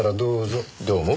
どうも。